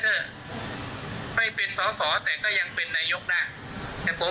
เมื่อยื่นบัญชีนายกไปแล้วแล้วการถือหุ้นนั้นมันยังอยู่ในช่วงที่ยื่นบัญชีเนี่ย